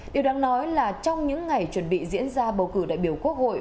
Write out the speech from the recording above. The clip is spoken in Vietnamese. điều đáng nói là trong những ngày chuẩn bị diễn ra bầu cử đại biểu quốc hội